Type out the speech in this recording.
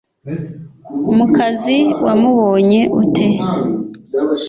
mukazi wawubonye ute?”